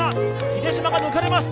秀島が抜かれます